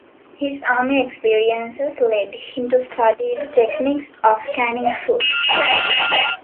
His army experiences led him to study the technique of canning food.